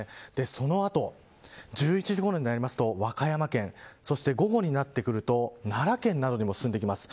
そのあと１１時ごろになると和歌山県そして午後になってくると奈良県などにも進んできます。